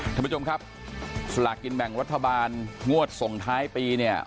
ท่านผู้ชมครับสลากกินแบ่งรัฐบาลงวดส่งท้ายปีเนี่ย